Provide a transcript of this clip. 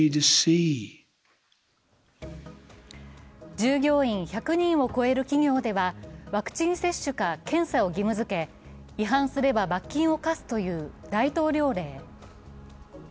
従業員１００人を超える企業では、ワクチン接種か検査を義務づけ違反すれば罰金を科すという大統領令。